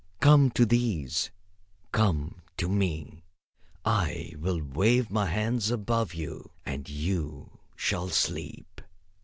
Come to these. Come to me. I will wave my hands above you, and you shall sleep.